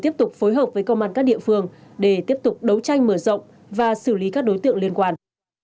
tiếp tục phối hợp với công an các địa phương để tiếp tục đấu tranh mở rộng và xử lý các đối tượng liên quan